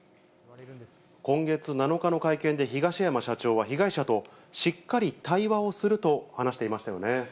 今月７日の会見で東山社長は被害者としっかり対話をすると話していましたよね。